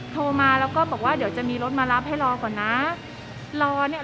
โทรมาแล้วก็บอกว่าเดี๋ยวจะมีรถมารับให้รอก่อนนะรอเนี้ย